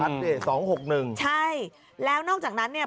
ชัดเลย๒๖๑ใช่แล้วนอกจากนั้นเนี่ย